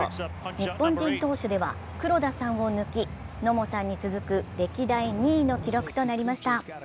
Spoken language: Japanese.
日本人投手では黒田さんを抜き野茂さんに続く歴代２位の記録となりました。